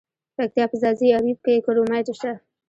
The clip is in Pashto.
د پکتیا په ځاځي اریوب کې کرومایټ شته.